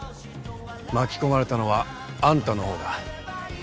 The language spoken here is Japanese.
巻き込まれたのはあんたのほうだ。